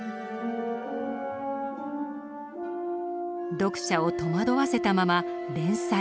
読者を戸惑わせたまま連載打ち切り。